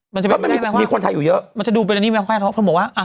มันจะไม่ได้ไหมว่ามีคนไทยอยู่เยอะมันจะดูเป็นอันนี้ไหมว่าเขาบอกว่า